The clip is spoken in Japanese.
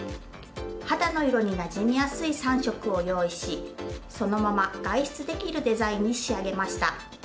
肌の色になじみやすい３色を用意しそのまま外出できるデザインに仕上げました。